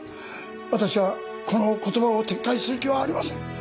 私はこの言葉を撤回する気はありません！